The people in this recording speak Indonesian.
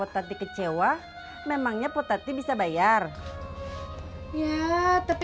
tapi malu ya cakep